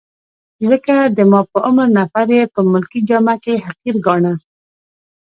ځکه د ما په عمر نفر يې په ملکي جامه کي حقیر ګاڼه.